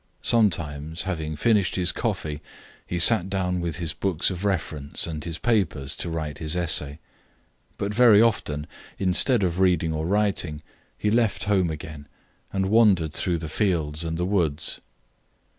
Sometimes, having finished his coffee, he sat down with his books of reference and his papers to write his essay, but very often, instead of reading or writing, he left home again, and wandered through the fields and the woods.